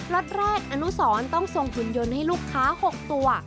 ล็อตแรกอนุสรต้องส่งหุ่นยนต์ให้ลูกค้า๖ตัว